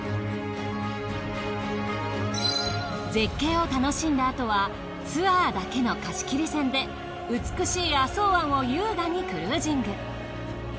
絶景を楽しんだあとはツアーだけの貸切船で美しい浅茅湾を優雅にクルージング。